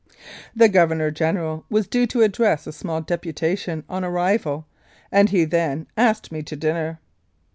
The Governor General was due to address a small deputation on arrival, and he then asked me to dinner.